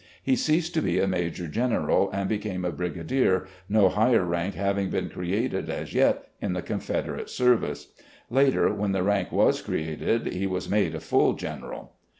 He ceased to be a Major General, and became a Brigadier, no higher rank ha^ving been created as yet in the Confederate service. Later, when the rank was created, he was made a full general.